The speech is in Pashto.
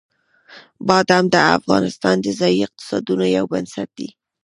بادام د افغانستان د ځایي اقتصادونو یو بنسټ دی.